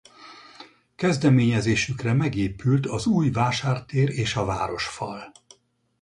Kezdeményezésükre megépült az új vásártér és a városfal.